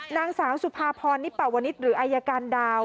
นางสาวสุภาพรนิปวนิษฐ์หรืออายการดาว